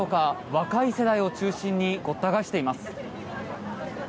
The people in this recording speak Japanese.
若い世代を中心にごった返しています。